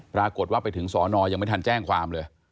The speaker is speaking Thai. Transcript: ปรากฏว่าไปถึงสอนอยังไม่ทันแจ้งความเลย